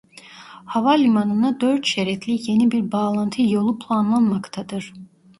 Havalimanına dört şeritli yeni bir bağlantı yolu planlanmaktadır.